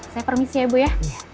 saya permisi ya bu ya